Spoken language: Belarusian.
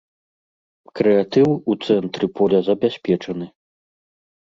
Крэатыў у цэнтры поля забяспечаны.